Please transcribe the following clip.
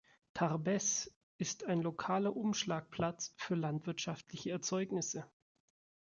Tarbes ist ein lokaler Umschlagplatz für landwirtschaftliche Erzeugnisse.